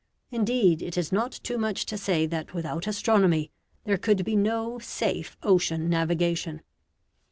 Indeed, it is not too much to say that without astronomy there could be no safe ocean navigation.